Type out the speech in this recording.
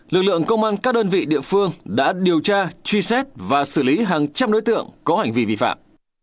lực lượng công an các đơn vị địa phương đã điều tra truy xét và xử lý hàng trăm đối tượng có hành vi vi phạm